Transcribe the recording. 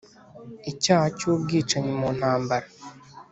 icyaha cy'ubwicanyi mu ntambara